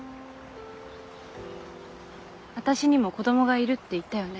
私にも子供がいるって言ったよね。